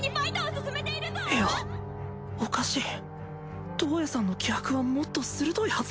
おかしいトウヤさんの気迫はもっと鋭いはずだ。